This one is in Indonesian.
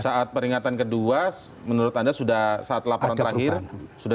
saat peringatan kedua menurut anda sudah saat laporan terakhir sudah